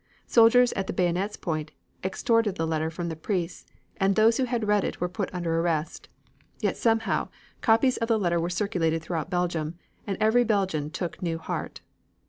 Soldiers at the bayonet's point extorted the letter from the priests, and those who had read it were put under arrest. Yet, somehow, copies of the letter were circulated throughout Belgium, and every Belgian took new heart.